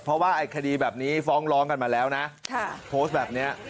เพราะว่าไอ้คดีแบบนี้ฟ้องร้องกันมาแล้วนะโพสต์แบบนี้